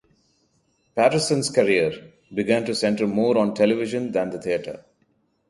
Paterson's career began to centre more on television than the theatre.